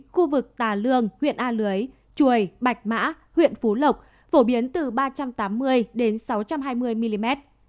khu vực tà lương huyện a lưới chuồi bạch mã huyện phú lộc phổ biến từ ba trăm tám mươi đến sáu trăm hai mươi mm